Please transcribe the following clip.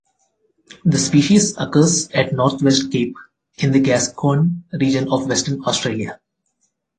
The species occurs at North West Cape in the Gascoyne region of Western Australia.